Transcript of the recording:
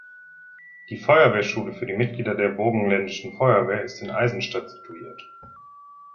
Die Feuerwehrschule für die Mitglieder der burgenländischen Feuerwehr ist in Eisenstadt situiert.